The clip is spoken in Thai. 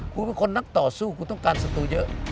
คุณเป็นคนนักต่อสู้กูต้องการสตูเยอะ